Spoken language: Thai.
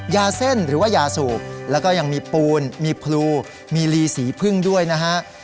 ยาเส้นหรือว่ายาสูบแล้วก็ยังมีปูนมีพลูมีลีสีพึ่งด้วยนะฮะ